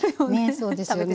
そうですよね。